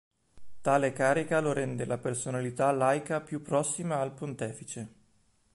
Tale carica lo rende la personalità laica più prossima al pontefice.